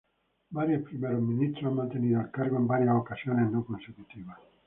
Varios primeros ministros han mantenido el cargo en varias ocasiones no consecutivas.